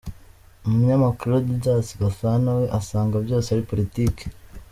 Umunyamakuru Didas Gasana we asanga byose ari politiki.